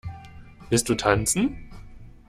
Willst du tanzen?